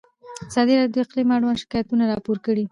ازادي راډیو د اقلیم اړوند شکایتونه راپور کړي.